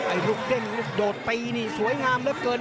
ไอ้ลูกเด้นลูกโดดไปนี่สวยงามเลิฟเกิน